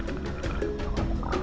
silat harimau pasaman